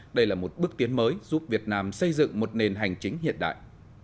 đây là một bước tiến mới giúp việt nam xây dựng một nền hành chính hiện đại